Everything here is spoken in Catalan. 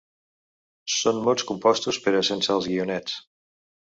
Són mots compostos però sense els guionets.